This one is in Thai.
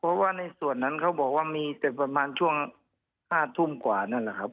เพราะว่าในส่วนนั้นเขาบอกว่ามีแต่ประมาณช่วง๕ทุ่มกว่านั่นแหละครับ